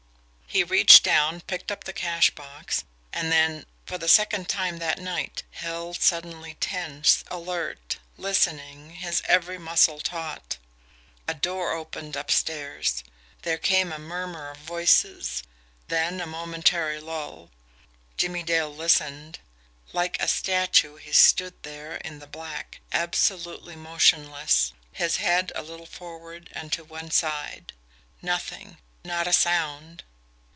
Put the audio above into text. He reached down, picked up the cash box and then, for the second time that night, held suddenly tense, alert, listening, his every muscle taut. A door opened upstairs. There came a murmur of voices. Then a momentary lull. Jimmie Dale listened. Like a statue he stood there in the black, absolutely motionless his head a little forward and to one side. Nothing not a sound.